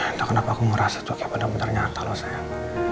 entah kenapa aku merasa tuh kayak bener bener nyata loh sayang